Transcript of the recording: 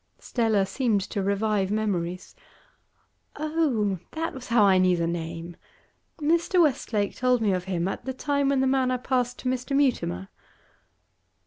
Stella seemed to revive memories. 'Oh, that was how I knew the name. Mr. Westlake told me of him, at the time when the Manor passed to Mr. Mutimer.